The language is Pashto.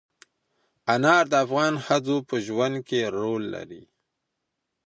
انار د افغان ښځو په ژوند کې رول لري.